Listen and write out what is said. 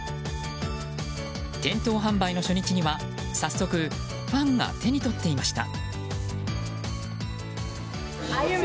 店頭販売の初日には早速ファンが手に取っていました。